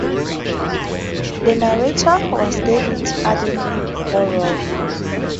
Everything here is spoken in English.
The narrator was David Attenborough.